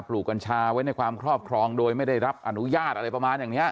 ลูกกัญชาไว้ในความครอบครองโดยไม่ได้รับอนุญาตอะไรประมาณอย่างนี้